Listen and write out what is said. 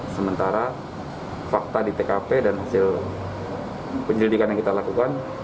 sementara fakta di tkp dan hasil penyelidikan yang kita lakukan